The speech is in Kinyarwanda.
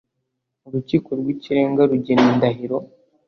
urukiko rwikirenga rugena indahiro.